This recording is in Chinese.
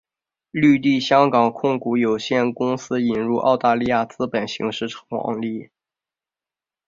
绿地香港控股有限公司引入澳大利亚资本形式创立。